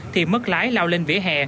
thì mất lái lao lên vỉa hè